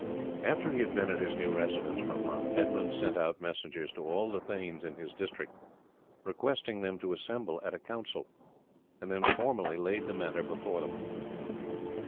After he had been at his new residence for a month Edmund sent out messengers to all the thanes in his district requesting them to assemble at a council, and then formally laid the matter before them.